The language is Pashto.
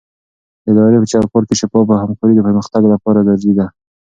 د ادارې په چوکاټ کې شفافه همکاري د پرمختګ لپاره ضروري ده.